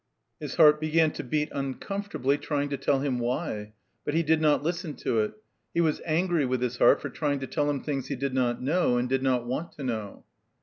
His heart began to beat uncomfortably, tr3dng to tell him why. But he did not listen to it. He was angry with his heart for trying to tell him things he did not know and did not want to know.